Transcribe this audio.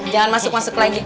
jangan masuk masuk lagi